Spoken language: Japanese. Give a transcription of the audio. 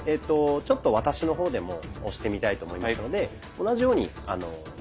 ちょっと私の方でも押してみたいと思いますので同じように少し抵抗してみて下さい。